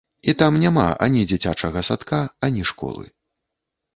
І там няма ані дзіцячага садка, ані школы.